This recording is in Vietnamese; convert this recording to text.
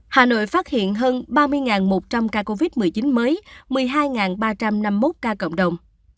hà nội phát hiện hơn ba mươi một trăm linh ca covid một mươi chín mới một mươi hai ba trăm năm mươi một ca cộng đồng